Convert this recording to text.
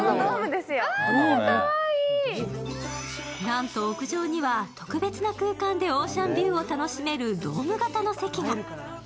なんと屋上には特別な空間でオーシャンビューを楽しめるドーム型の席が。